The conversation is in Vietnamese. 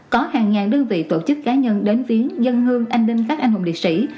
có hàng ngàn đơn vị tổ chức cá nhân đến viếng dân hương anh đinh các anh hùng liệt sĩ